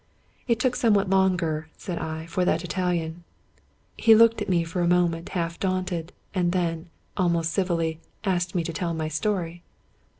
" It took somewhat longer," said I, " for that Italian." He looked at me for a moment half daunted, and then, almost civilly, asked me to tell my story.